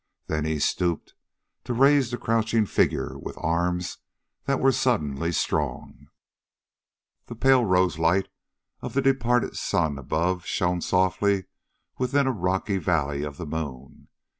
Then he stooped to raise the crouching figure with arms that were suddenly strong. The pale rose light of the departed sun above shone softly within a rocky valley of the moon.